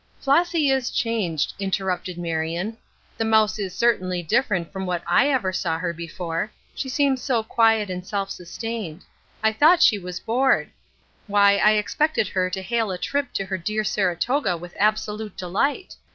"Flossy is changed," interrupted Marion. "The mouse is certainly different from what I ever saw her before; she seems so quiet and self sustained. I thought she was bored. Why, I expected her to hail a trip to her dear Saratoga with absolute delight!